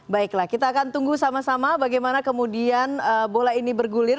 baiklah kita akan tunggu sama sama bagaimana kemudian bola ini bergulir